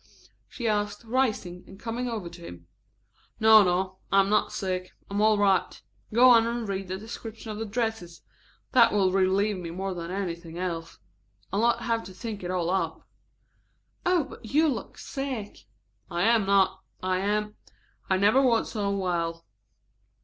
she asked, rising and coming over to him. "No, no, I am not sick. I am all right. Go on and read the description of the dresses; that will relieve me more than anything else. I'll not have to think it all up." "Oh, but you look sick." "I am not; I am I never was so well.